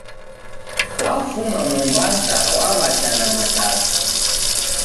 W'afuma Mombasa, waw'acha na Matatu.